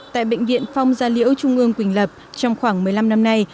tại bệnh viện phong gia liễu trung ương quỳnh lập trong khoảng một mươi năm năm nay